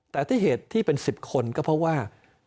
แต่ที่เหตุที่เป็น๑๐คนก็เพราะว่า